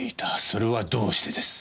それはどうしてです？